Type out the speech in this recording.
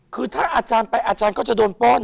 คือถ้าอาจารย์ไปอาจารย์ก็จะโดนป้น